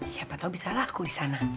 siapa tahu bisa laku di sana